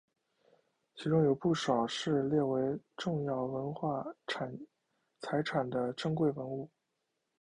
其中有不少是列为重要文化财产的珍贵文物。